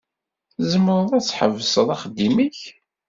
Tzemreḍ ad tḥebseḍ axeddim-ik?